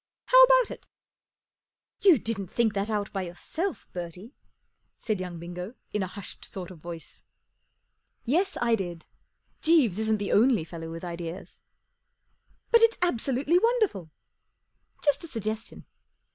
How about it ?" 44 You didn't think that out by. yourself, Bertie ?" said young Bingo, in a hushed sort of voice. 44 Yes, I did. Jeeves isn't the only fellow with ideas." 44 But it's absolutely wonderful." 44 Just a suggestion."